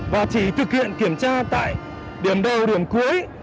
và chỉ thực hiện kiểm tra tại điểm đầu điểm cuối